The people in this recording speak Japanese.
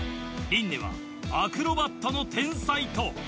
「琳寧はアクロバットの天才」と。